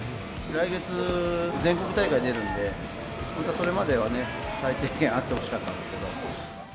来月、全国大会出るんで、本当はそれまではね、最低限あってほしかったんですけど。